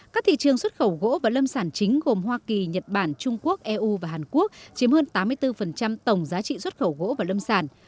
các thị trường xuất khẩu gỗ và lâm sản chính gồm hoa kỳ nhật bản trung quốc eu và hàn quốc chiếm hơn tám mươi bốn tổng giá trị xuất khẩu gỗ và lâm sản